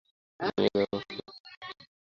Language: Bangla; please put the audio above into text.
নিয়ে নাও ওকে।